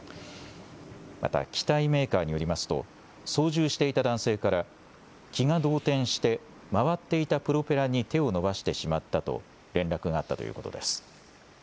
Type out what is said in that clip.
また機体メーカーによりますと操縦していた男性から気が動転して回っていたプロペラに手を伸ばしてしまったと連絡があったということです。